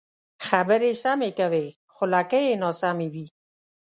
خبرې سمې کوې خو لکۍ یې ناسمې وي.